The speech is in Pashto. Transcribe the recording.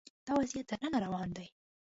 دا وضعیت تر ننه روان دی